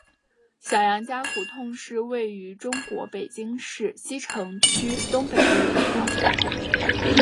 小杨家胡同是位于中国北京市西城区东北部的一条胡同。